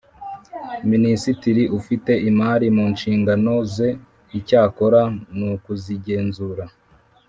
Minisitiri ufite imari mu nshingano ze Icyakora nukuzigenzura